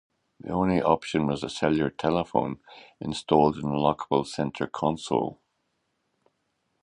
The only option was a cellular telephone, installed in a lockable center console.